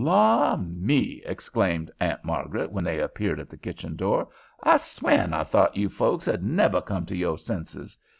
"Law me!" exclaimed Aunt Margaret when they appeared at the kitchen door. "I swan I thought you folks 'u'd never come to yore senses.